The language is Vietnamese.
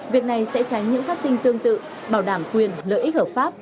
việc này sẽ tránh những phát sinh tương tự bảo đảm quyền lợi ích hợp pháp